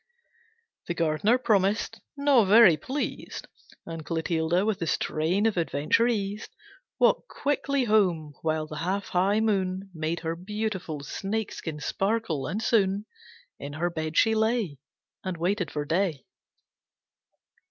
The gardener promised, not very pleased, And Clotilde, with the strain of adventure eased, Walked quickly home, while the half high moon Made her beautiful snake skin sparkle, and soon In her bed she lay And waited for day.